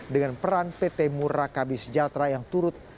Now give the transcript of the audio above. dengan peran pt murakabi sejahtera yang turut